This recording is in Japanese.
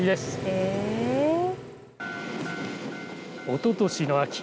おととしの秋